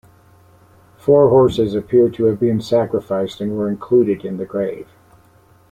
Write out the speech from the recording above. Four horses appear to have been sacrificed and were included in the grave.